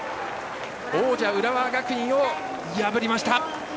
王者・浦和学院を破りました。